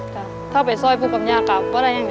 ถ้าจะไปซ่อยพังกับยากก็เลย